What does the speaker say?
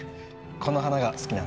この花が好きなんで。